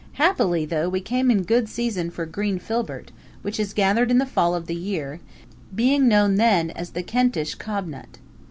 Happily, though, we came in good season for the green filbert, which is gathered in the fall of the year, being known then as the Kentish cobnut.